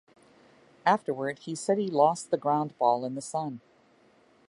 Afterward, he said he lost the ground ball in the sun.